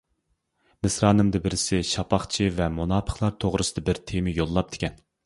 مىسرانىمدا بىرسى شاپاقچى ۋە مۇناپىقلار توغرىسىدا بىر تېما يوللاپتىكەن.